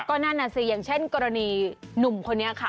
ก็นั่นน่ะสิอย่างเช่นกรณีหนุ่มคนนี้ค่ะ